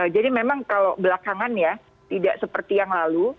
jadi memang kalau belakangan ya tidak seperti yang lalu